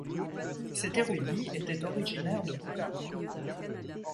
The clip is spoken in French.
Cet érudit était originaire de Boukhara.